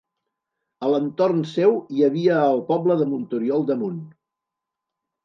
A l'entorn seu hi havia el poble de Montoriol d'Amunt.